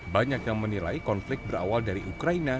banyak yang menilai konflik berawal dari ukraina